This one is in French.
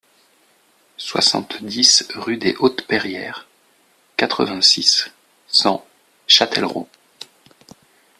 soixante-dix rue des Hautes Perrières, quatre-vingt-six, cent, Châtellerault